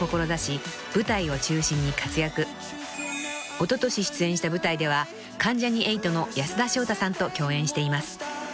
［おととし出演した舞台では関ジャニ∞の安田章大さんと共演しています］